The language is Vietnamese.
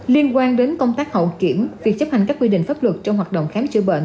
liên quan đến công tác hậu kiểm việc chấp hành các quy định pháp luật trong hoạt động khám chữa bệnh